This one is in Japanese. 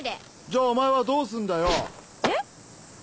じゃあお前はどうすんだよ。え？